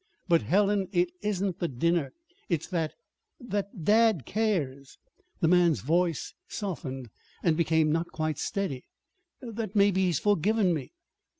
"But, Helen, it isn't the dinner. It's that that dad cares." The man's voice softened, and became not quite steady. "That maybe he's forgiven me.